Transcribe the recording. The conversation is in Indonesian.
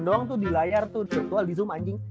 doang tuh di layar tuh kecuali di zoom anjing